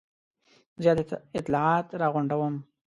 زیات اطلاعات را غونډوم.